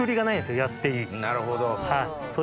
なるほど。